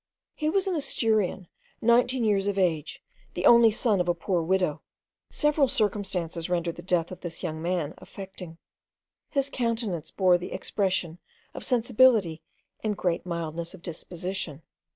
He was an Asturian, nineteen years of age, the only son of a poor widow. Several circumstances rendered the death of this young man affecting. His countenance bore the expression of sensibility and great mildness of disposition.